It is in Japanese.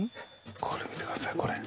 見てくださいこれ。